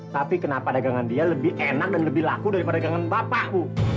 tapi kenapa dagangan dia lebih enak dan lebih laku daripada dagangan bap tahu